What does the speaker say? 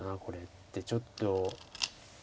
これってちょっと。